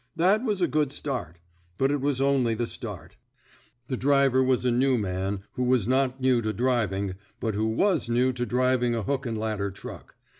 That was a good start. But it was only the start. The driver was a new man, who was not new to driving, but who was new to driving a hook and ladder truck.